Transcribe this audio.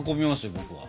僕は。